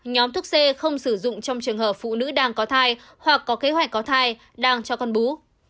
nhóm thuốc c không sử dụng trong trường hợp phụ nữ đang có thai hoặc có kế hoạch có thai đang cho con bú